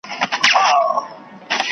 غداره زمانه ده اوس باغوان په باور نه دی .